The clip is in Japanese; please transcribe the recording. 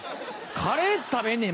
カレー食べんねん